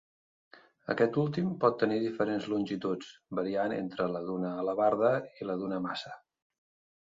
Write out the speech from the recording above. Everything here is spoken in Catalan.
Aquest últim pot tenir diferents longituds, variant entre la d'una alabarda i la d'una maça.